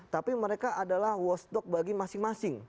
tapi mereka adalah wasdog bagi masing masing